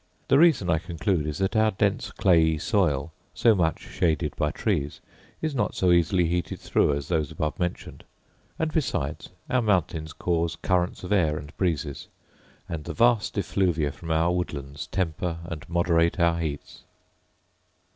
The reason, I conclude, is, that our dense clayey soil, so much shaded by trees, is not so easily heated through as those above mentioned: and, besides, our mountains cause currents of air and breezes; and the vast effluvia from our woodlands temper and moderate our heats.